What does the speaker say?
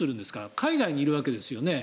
海外にいるわけですよね。